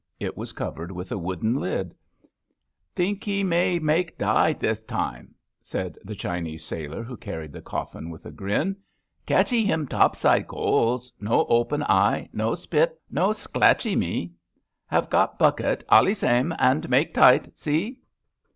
It was covered with a wooden lid. Think he have make die this time," said the Chinese sailor who carried the coflSn, with a grin. Ca/tchee him topside coals— no open eye — ^no spit — ^no 4 ABAFT THE FUNNEL sclatchee my. Have got bucket, allee same, and make tight. See!